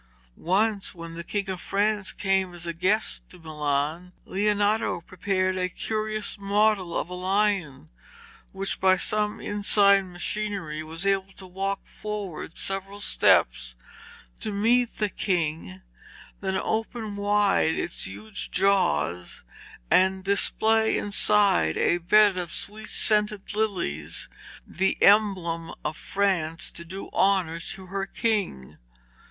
Once when the King of France came as a guest to Milan, Leonardo prepared a curious model of a lion, which by some inside machinery was able to walk forward several steps to meet the King, and then open wide its huge jaws and display inside a bed of sweet scented lilies, the emblem of France, to do honour to her King.